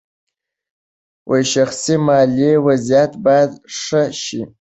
شخصي مالي وضعیت باید ښه شي.